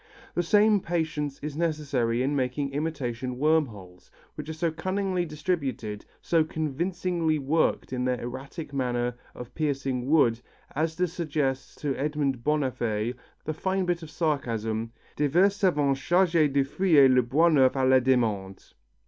The same patience is necessary in making imitation worm holes, which are so cunningly distributed, so convincingly worked in their erratic manner of piercing wood as to suggest to Edmond Bonnaffé the fine bit of sarcasm: "Des vers savants chargés de fouiller le bois neuf à la demande."